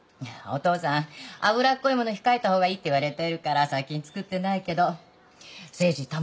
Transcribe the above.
いやお父さん脂っこいもの控えた方がいいって言われてるから最近作ってないけど誠治